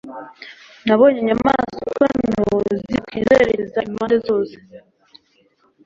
Nabonye inyamaswa nto ziruka zerekeza impande zose